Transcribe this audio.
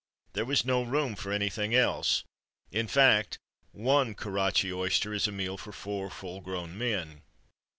There was no room for anything else. In fact one Kurachi oyster is a meal for four full grown men.